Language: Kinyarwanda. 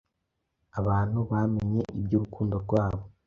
abantu bamenye iby'urukundo rwabo